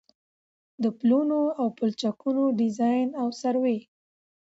د پلونو او پلچکونو ډيزاين او سروې